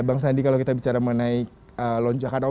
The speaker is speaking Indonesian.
bang sandi kalau kita bicara mengenai lonjakan